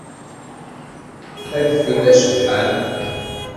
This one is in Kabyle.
Adfel d acebḥan.